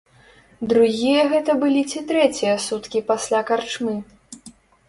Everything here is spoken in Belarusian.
Другія гэта былі ці трэція суткі пасля карчмы?